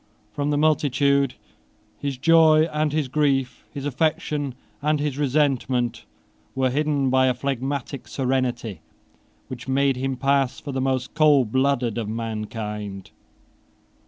From the multitude his joy and his grief, his affection and his resentment, were hidden by a phlegmatic serenity, which made him pass for the most coldblooded of mankind.